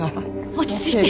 落ち着いて。